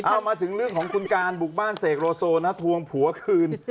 เอามาถึงเรื่องของคุณการบุกบ้านเสกโลโซนะทวงผัวคืน